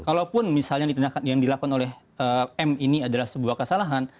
kalaupun misalnya yang dilakukan oleh m ini adalah sebuah kesalahan